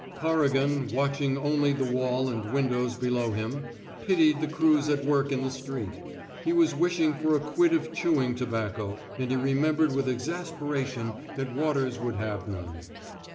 Corrigan, watching only the wall and windows below him, pitied the crews at work in the street. He was wishing for a quid of chewing to bacco, and he remembered with exasperation that Waters would have none.